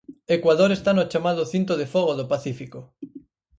Ecuador está no chamado cinto de fogo do Pacífico.